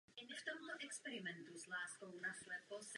Sám Putin se s ní ukazoval na různých politických akcích.